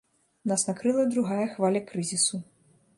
Нас накрыла другая хваля крызісу.